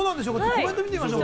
コメントを見てみましょう。